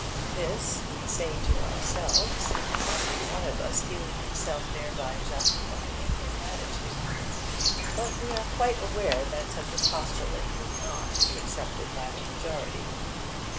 This we say to ourselves, every one of us feeling himself thereby justified in his attitude. But we are quite aware that such a postulate would not be accepted by time majority.